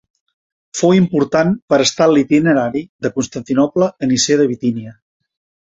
Fou important per estar en l'itinerari de Constantinoble a Nicea de Bitínia.